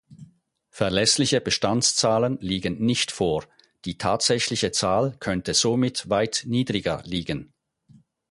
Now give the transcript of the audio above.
Verlässliche Bestandszahlen liegen nicht vor, die tatsächliche Zahl könnte somit weit niedriger liegen.